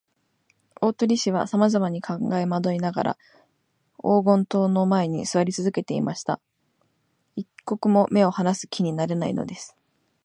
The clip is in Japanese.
大鳥氏はさまざまに考えまどいながら、黄金塔の前にすわりつづけていました。一刻も目をはなす気になれないのです。